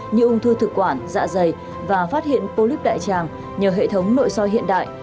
như ung thư thực quản dạ dày và phát hiện polyp đại tràng nhờ hệ thống nội soi hiện đại